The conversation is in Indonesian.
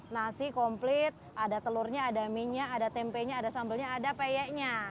nasi komplit ada telurnya ada mie nya ada tempe nya ada sambel nya ada peye nya